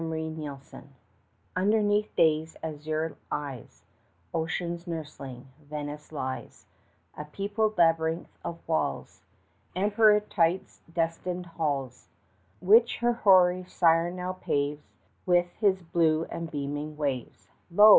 OCEAN'S NURSLING Underneath Day's azure eyes Ocean's nursling, Venice lies, A peopled labyrinth of walls, Amphitrite's destined halls, Which her hoary sire now paves 5 With his blue and beaming waves. Lo!